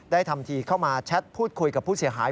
ทำทีเข้ามาแชทพูดคุยกับผู้เสียหาย